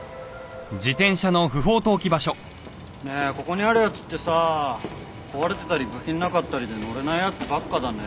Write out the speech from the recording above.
ねえここにあるやつってさ壊れてたり部品なかったりで乗れないやつばっかだね。